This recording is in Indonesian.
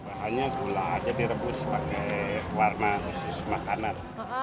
bahannya gula aja direbus pakai warna khusus makanan